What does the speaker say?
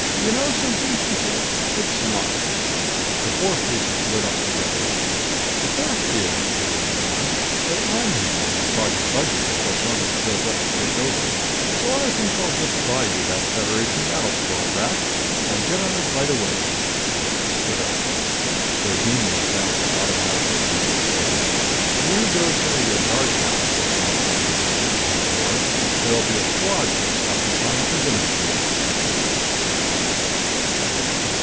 "You know something?" she said. "It's not!" The four faces lit up together. "The fact is," Trigger went on, "that I'm handling the Project budget until someone shows up to take over. So I think I'll just buy you that Federation battle squad, Rak! I'll get on it right away." She stood up. The Juniors bounced automatically out of their chairs. "You go tell your guard Captain," she instructed them from the hall door, "there'll be a squad showing up in time for dinner tonight."